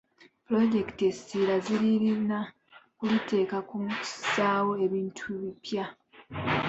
Pulojekiti essirira zirina kuliteeka ku kussaawo bintu bipya.